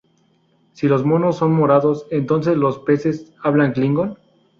Si los monos son morados, entonces los peces hablan Klingon.